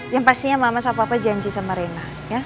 yang pastinya mama sama papa janji sama rena